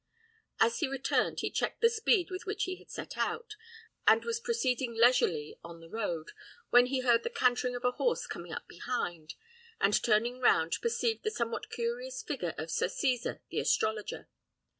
As he returned he checked the speed with which he had set out, and was proceeding leisurely on the road, when he heard the cantering of a horse coming up behind; and, turning round, perceived the somewhat curious figure of Sir Cesar the astrologer.